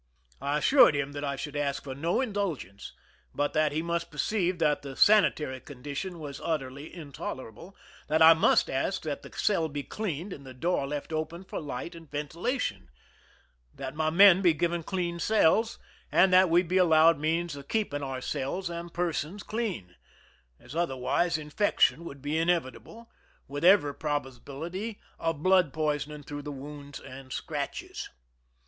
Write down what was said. I assured him that I should ask for no indulgence, but that he must perceive that the sanitary condition was utterly intolerable ; that I must ask that the cell be cleaned and the door left open for light and ventilation ; that my men be given clean cells ; and that we be allowed means for keeping our cells and persons clean, as otherwise infection would be inevitable, with every probability of blood poisoning through the wounds and scratches.